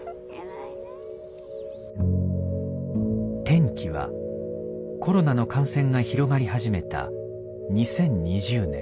転機はコロナの感染が広がり始めた２０２０年。